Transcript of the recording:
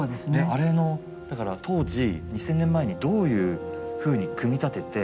あれのだから当時２，０００年前にどういうふうに組み立てて。